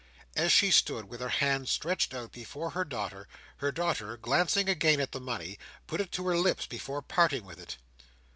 As she stood with her hand stretched out before her daughter, her daughter, glancing again at the money, put it to her lips before parting with it.